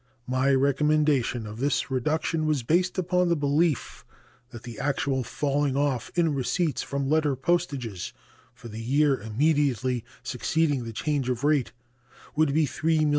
My recommendation of this reduction was based upon the belief that the actual falling off in receipts from letter postages for the year immediately succeeding the change of rate would be $3,000,000.